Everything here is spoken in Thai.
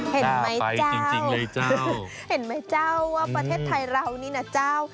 เห็นไหมเจ้าเห็นไหมเจ้าว่าประเทศไทยเรานี่นะเจ้า